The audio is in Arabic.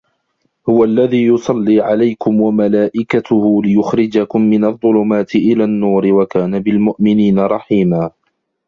هُوَ الَّذي يُصَلّي عَلَيكُم وَمَلائِكَتُهُ لِيُخرِجَكُم مِنَ الظُّلُماتِ إِلَى النّورِ وَكانَ بِالمُؤمِنينَ رَحيمًا